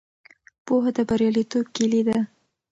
پوهه د بریالیتوب کیلي ده.